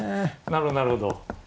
なるほどなるほど。